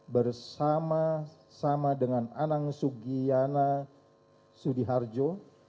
bersama dengan anang sugiyana sudiharjo